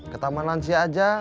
ke taman lansia aja